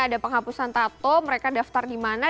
ada penghapusan tato mereka daftar di mana